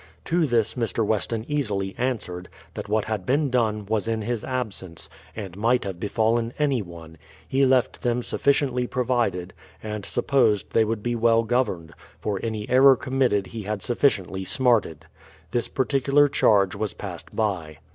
To this Mr. Weston easily answered, that what had been done, was in his absence, and might have befallen anyone; he left them sufficiently provided, and supposed they would be well governed ; for any error committed he had sufficiently smarted. This particular charge was passed by.